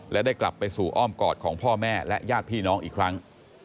และได้กลับไปสู่อ้อมกอดของพ่อแม่และญาติพี่น้องอีกครั้ง